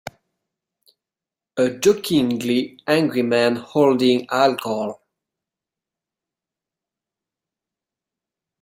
a jokingly angry man holding alcohol